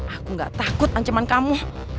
aku gak takut ancaman kamu